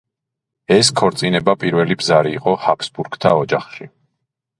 ეს ქორწინება პირველი ბზარი იყო ჰაბსბურგთა ოჯახში.